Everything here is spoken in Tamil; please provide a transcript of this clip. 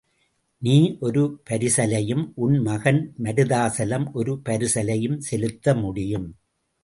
நீ ஒரு பரிசலையும், உன் மகன் மருதாசலம், ஒரு பரிசலையும் செலுத்த முடியும்.